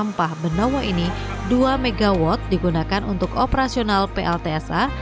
dua mw digunakan untuk operasional pltsa